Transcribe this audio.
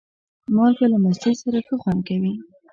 مالګه له مستې سره ښه خوند ورکوي.